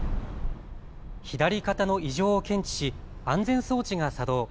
左肩の異常を検知し安全装置が作動。